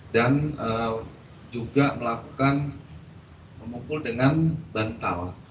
dan juga melakukan memukul dengan bantal